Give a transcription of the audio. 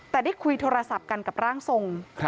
แต่ได้คุยโทรศัพท์กันกับร่างทรง